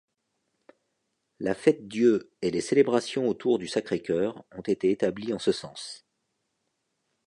La Fête-Dieu et les célébrations autour du Sacré-Cœur ont été établies en ce sens.